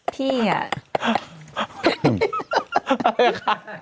พี่อะ